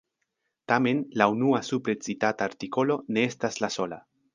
Tamen la unua supre citata artikolo ne estas la sola.